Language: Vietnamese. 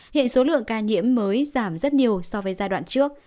hiện số lượng ca nhiễm mới giảm rất nhiều so với giai đoạn trước